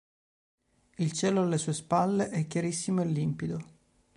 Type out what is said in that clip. Il cielo alle sue spalle è chiarissimo e limpido.